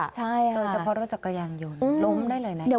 โดยเฉพาะรถจักรยานยนต์ล้มได้เลยนะคะ